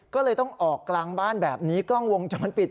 ก็เลยต้องออกกลางบ้านแบบนี้กล้องวงจรปิด